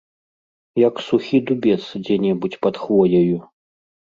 Як сухі дубец дзе-небудзь пад хвояю.